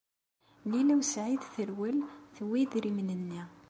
Lila u Saɛid terwel, tewwi idrimen-nni.